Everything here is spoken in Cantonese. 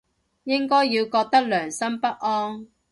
應該要覺得良心不安